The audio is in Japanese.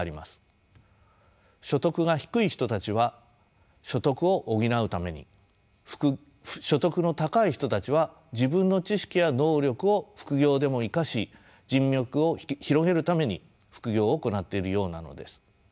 所得が低い人たちは所得を補うために所得の高い人たちは自分の知識や能力を副業でも生かし人脈を広げるために副業を行っているようなのです。